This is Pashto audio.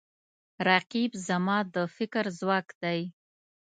رقیب زما د فکر ځواک دی